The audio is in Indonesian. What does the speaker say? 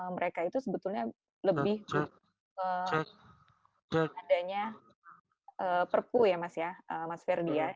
mereka itu sebetulnya lebih ke adanya perpu ya mas ya mas ferdi ya